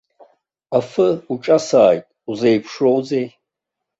Афы уҿасааит, узеиԥшроузеи!